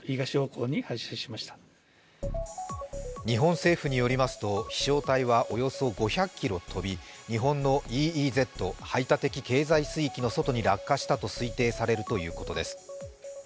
日本政府によりますと飛翔体はおよそ５００ｋｍ飛び日本のＥＥＺ＝排他的経済水域の外に落下したと推定されるということです。